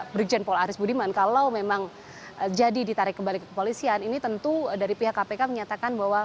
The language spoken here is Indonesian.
brigjen paul aris budiman kalau memang jadi ditarik kembali ke kepolisian ini tentu dari pihak kpk menyatakan bahwa